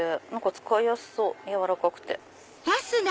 使いやすそう柔らかくて。